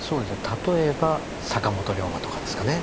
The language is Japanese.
例えば坂本龍馬とかですかね。